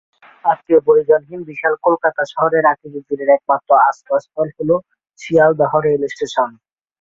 আত্মীয় পরিজনহীন বিশাল কলকাতা শহরে আকিজউদ্দীনের একমাত্র আশ্রয়স্থল হলো শিয়ালদহ রেলস্টেশন।